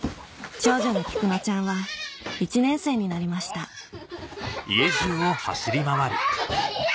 長女の菊乃ちゃんは１年生になりましたハハハ！